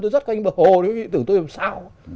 tôi rất quanh bờ hồ tôi tưởng tôi làm sao